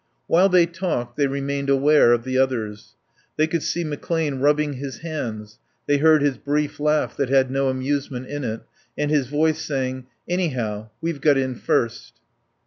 While they talked they remained aware of the others. They could see McClane rubbing his hands; they heard his brief laugh that had no amusement in it, and his voice saying, "Anyhow, we've got in first."